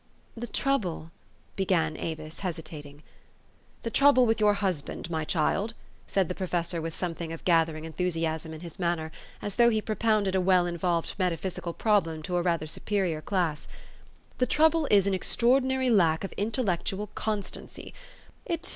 " The trouble," began Avis, hesitating. " The trouble with your husband, my child," said the professor with something of gathering enthusi asm in his manner, as though he propounded a well involved metaphysical problem to a rather superior class, " the trouble is an extraordinary lack of in tellectual constanc} r .